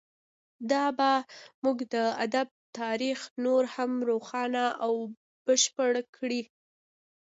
دا به زموږ د ادب تاریخ نور هم روښانه او بشپړ کړي